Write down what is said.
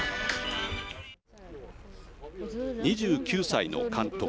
２９歳の監督。